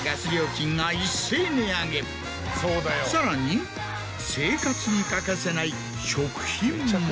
さらに生活に欠かせない。